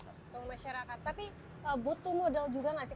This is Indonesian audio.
tapi butuh modal juga gak sih